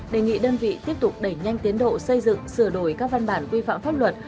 đề nghị đơn vị tiếp tục đẩy nhanh tiến độ xây dựng sửa đổi các văn bản quy phạm pháp luật